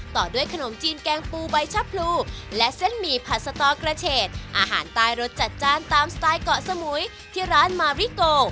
ต่อด้วยขนมจีนแกงปูใบชะพลูและเส้นหมี่ผัดสตอกระเฉดอาหารใต้รสจัดจ้านตามสไตล์เกาะสมุยที่ร้านมาริโก